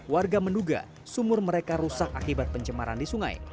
warga menduga sumur mereka rusak akibat pencemaran di sungai